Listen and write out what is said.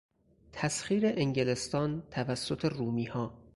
تسخیر انگلستان توسط رومیها